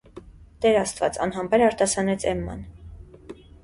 - Տեր աստված,- անհամբեր արտասանեց Էմման: